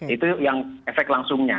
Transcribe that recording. itu yang efek langsungnya